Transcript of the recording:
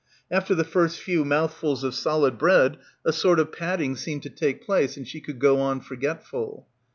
After the first few mouthfuls of solid bread a sort of padding seemed to take place and she could go on forgetful.